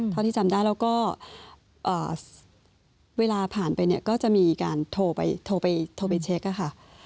เท่าที่จำได้แล้วก็เวลาผ่านไปเนี่ยก็จะมีการโทรไปโทรไปเช็คค่ะ